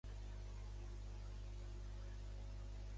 Amb ell prova de demostrar que aquest art és preeminentment cristià.